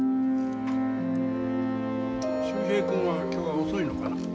秀平君は今日は遅いのかな。